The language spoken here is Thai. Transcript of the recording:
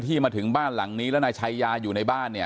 ที่มาถึงบ้านหลังนี้นะใช้ยากินในบ้านเนี่ย